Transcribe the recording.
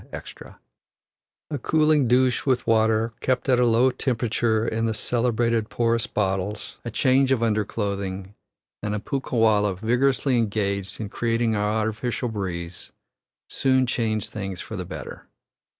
A cooling douche with water kept at a low temperature in the celebrated porous bottles, a change of underclothing, and a punkah wallah vigorously engaged in creating an artificial breeze, soon change things for the better.